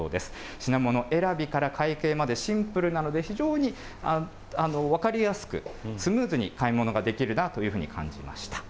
品物選びから会計まで、シンプルなので、非常に分かりやすく、スムーズに買い物ができるなというふうに感じました。